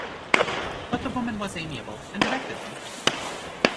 But the woman was amiable, and directed them.